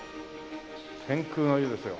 天空の湯ですよ。